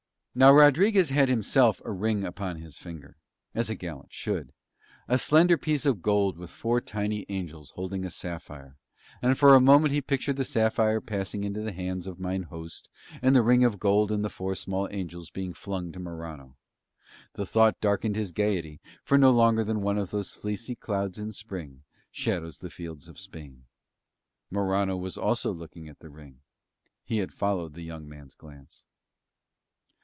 Now Rodriguez had himself a ring upon his finger (as a gallant should), a slender piece of gold with four tiny angels holding a sapphire, and for a moment he pictured the sapphire passing into the hands of mine host and the ring of gold and the four small angels being flung to Morano; the thought darkened his gaiety for no longer than one of those fleecy clouds in Spring shadows the fields of Spain. Morano was also looking at the ring; he had followed the young man's glance.